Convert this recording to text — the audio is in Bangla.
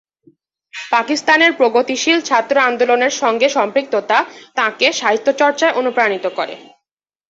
পাকিস্তানের প্রগতিশীল ছাত্র আন্দোলনের সঙ্গে সম্পৃক্ততা তাঁকে সাহিত্যচর্চায় অনুপ্রাণিত করে।